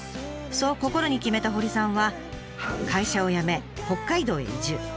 そう心に決めた堀さんは会社を辞め北海道へ移住。